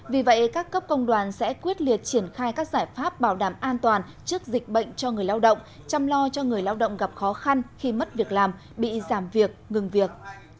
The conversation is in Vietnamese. vì vậy các cấp công đoàn sẽ quyết liệt triển khai các giải pháp bảo đảm an toàn trước dịch bệnh cho người lao động chăm lo cho người lao động gặp khó khăn khi mất việc làm bị giảm việc ngừng việc